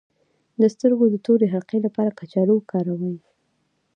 د سترګو د تورې حلقې لپاره کچالو وکاروئ